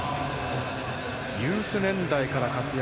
ユース年代から活躍。